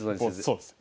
そうです。